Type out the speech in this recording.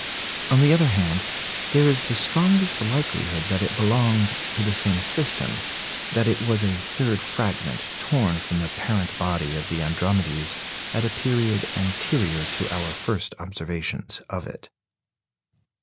On the other hand, there is the strongest likelihood that it belonged to the same system that it was a third fragment, torn from the parent body of the Andromedes at a period anterior to our first observations of it.